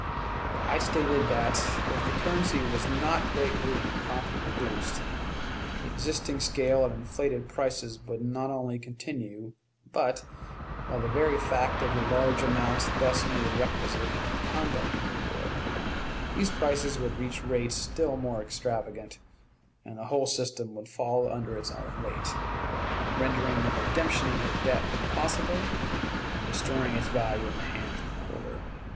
I stated that, if the currency was not greatly and promptly reduced, the existing scale of inflated prices would not only continue, but, by the very fact of the large amounts thus made requisite in the conduct of the war, these prices would reach rates still more extravagant, and the whole system would fall under its own weight, rendering the redemption of the debt impossible, and destroying its value in the hands of the holder.